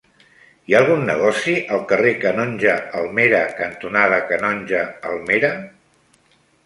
Hi ha algun negoci al carrer Canonge Almera cantonada Canonge Almera?